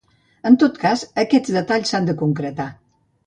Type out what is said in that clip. En tot cas, aquests detalls s’han de concretar.